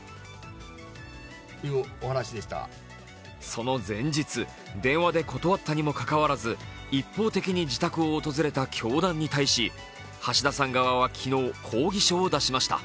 その前日電話で断ったにもかかわらず、一方的に自宅を訪れた教団に対し、橋田さん側は昨日、抗議書を出しました。